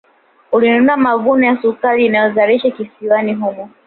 Ulinunua mavuno ya sukari inayozalishwa kisiwani humo